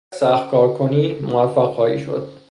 اگر سخت کار کنی موفق خواهی شد.